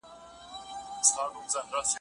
د پخلاینې خوند.